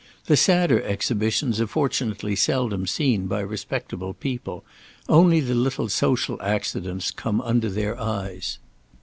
The sadder exhibitions are fortunately seldom seen by respectable people; only the little social accidents come under their eyes.